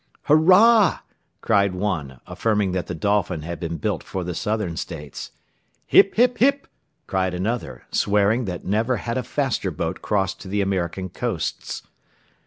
"Hurrah!" cried one, affirming that the Dolphin had been built for the Southern States. "Hip! hip! hip!" cried another, swearing that never had a faster boat crossed to the American coasts.